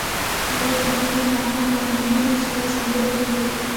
هغوی د محبوب ماښام له رنګونو سره سندرې هم ویلې.